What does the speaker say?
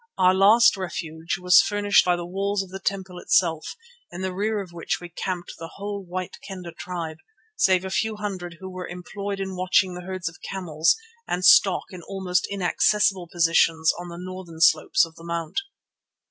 Our last refuge was furnished by the walls of the temple itself, in the rear of which were camped the whole White Kendah tribe, save a few hundred who were employed in watching the herds of camels and stock in almost inaccessible positions on the northern slopes of the Mount.